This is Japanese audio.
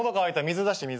水出して水。